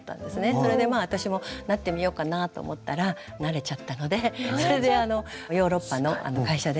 それで私もなってみようかなぁと思ったらなれちゃったのでそれでヨーロッパの会社でしたけどもそこで勤めて。